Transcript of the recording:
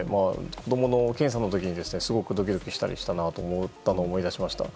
子供の検査の時にすごくドキドキしたりしたなと思ったのを思い出しました。